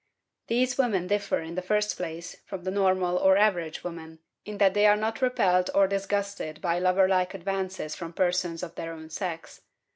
These women differ, in the first place, from the normal, or average, woman in that they are not repelled or disgusted by lover like advances from persons of their own sex.